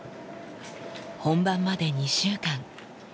本番まで２週間。